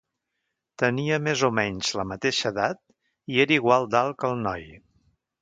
Tenia més o menys la mateixa edat i era igual d'alt que el noi.